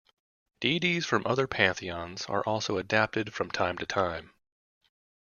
Deities from other pantheons are also adapted from time to time.